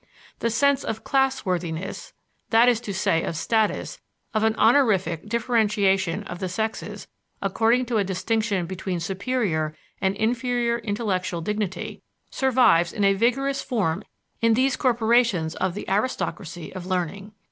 The sense of class worthiness, that is to say of status, of a honorific differentiation of the sexes according to a distinction between superior and inferior intellectual dignity, survives in a vigorous form in these corporations of the aristocracy of learning.